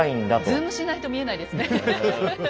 ズームしないと見えないですね。